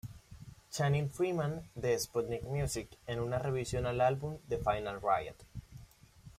Channing Freeman de "Sputnik music", en una revisión al álbum "The Final Riot!